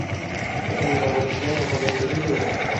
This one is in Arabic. لِأَنَّا وَلَدْنَاهُمْ وَلَمْ يَلِدُونَا